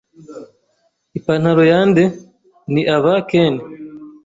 "Ipantaro ya nde?" "Ni aba Ken."